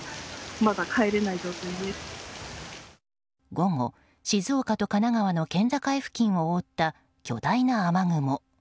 午後、静岡と神奈川の県境付近を覆った巨大な雨雲。